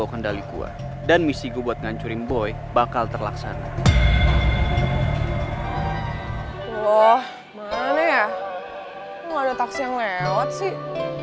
kendali gua dan misi buat ngancurin boy bakal terlaksana loh mana ya ada taksi yang lewat sih